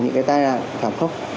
những cái tai nạn thảm khốc